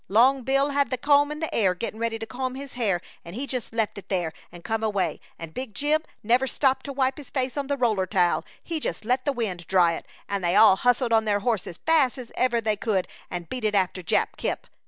Long Bill had the comb in the air gettin' ready to comb his hair, an' he left it there and come away, and Big Jim never stopped to wipe his face on the roller towel, he just let the wind dry it; and they all hustled on their horses fast as ever they could and beat it after Jap Kemp.